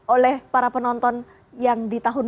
oleh para penonton yang di tahun dua ribu dua puluh